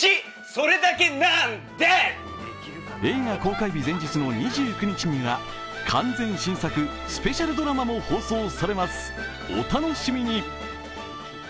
映画公開日前日の２９日には完全新作スペシャルドラマも放送されます、お楽しみに！